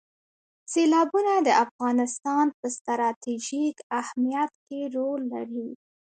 سیلابونه د افغانستان په ستراتیژیک اهمیت کې رول لري.